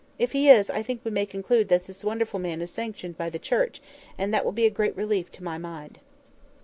If he is, I think we may conclude that this wonderful man is sanctioned by the Church, and that will be a great relief to my mind."